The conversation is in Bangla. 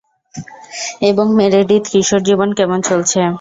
এবং, মেরেডিথ, কিশোর জীবন কেমন চলছে?